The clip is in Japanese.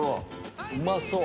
うまそう。